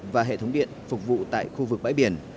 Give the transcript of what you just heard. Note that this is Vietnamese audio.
và hệ thống điện phục vụ tại khu vực bãi biển